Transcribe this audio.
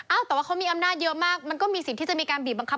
แต่ว่าเขามีอำนาจเยอะมากมันก็มีสิทธิ์ที่จะมีการบีบบังคับ